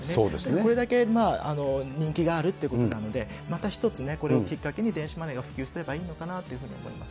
これだけ人気があるっていうことなので、また一つね、これをきっかけに電子マネーが普及すればいいのかなというふうに思います。